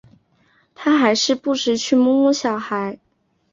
他还是不时去摸摸小孩